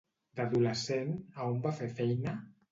D'adolescent, a on va fer feina?